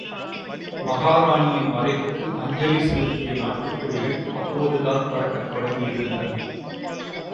மகாராணியின் மறைவுக்கு அஞ்சலி செலுத்திய நாட்டுக் கொடிகள் அப்போதுதான் பறக்கத் தொடங்கியிருந்தன.